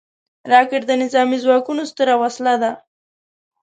راکټ د نظامي ځواکونو ستره وسله ده